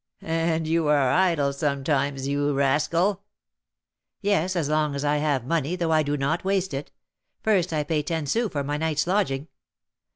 "And you are idle sometimes, you rascal?" "Yes, as long as I have money, though I do not waste it. First, I pay ten sous for my night's lodging."